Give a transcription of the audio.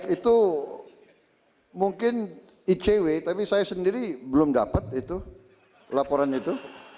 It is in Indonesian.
itu mungkin icw tapi saya sendiri belum dapat itu laporan itu